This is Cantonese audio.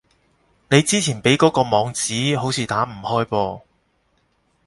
你之前畀嗰個網址，好似打唔開噃